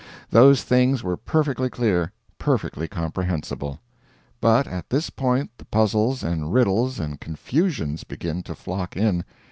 Those things were perfectly clear, perfectly comprehensible. But at this point the puzzles and riddles and confusions begin to flock in.